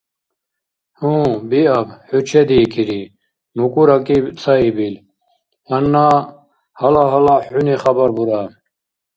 — Гьу, биаб, хӀу чедиикири, — мукӀуракӀиб цаибил. — Гьанна гьала-гьала хӀуни хабар бура.